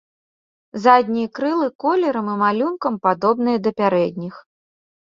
Заднія крылы колерам і малюнкам падобныя да пярэдніх.